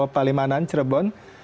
terima kasih aradita palimanan cirebon